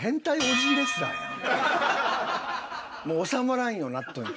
もう収まらんようになっとんよ